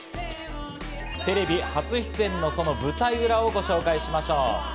テレビ初出演のその舞台裏をご紹介しましょう。